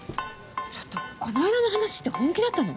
ちょっとこないだの話って本気だったの？